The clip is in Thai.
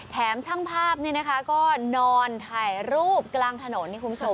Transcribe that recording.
ช่างภาพเนี่ยนะคะก็นอนถ่ายรูปกลางถนนนี่คุณผู้ชม